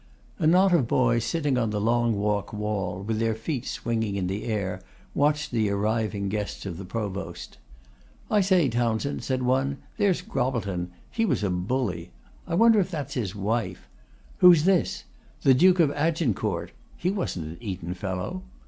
A knot of boys, sitting on the Long Walk wall, with their feet swinging in the air, watched the arriving guests of the Provost. 'I say, Townshend,' said one, 'there's Grobbleton; he was a bully. I wonder if that's his wife? Who's this? The Duke of Agincourt. He wasn't an Eton fellow?